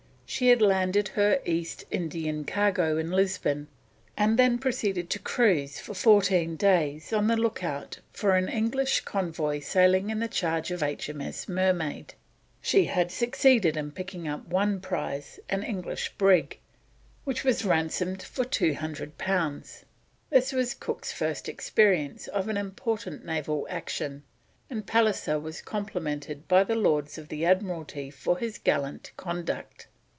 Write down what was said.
She had landed her East Indian cargo at Lisbon, and then proceeded to cruise for fourteen days on the look out for an English convoy sailing in charge of H.M.S. Mermaid. She had succeeded in picking up one prize, an English brig, which was ransomed for 200 pounds. This was Cook's first experience of an important naval action, and Pallisser was complimented by the Lords of the Admiralty for his gallant conduct.